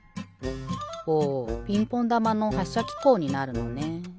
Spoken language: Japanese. おピンポンだまのはっしゃきこうになるのね。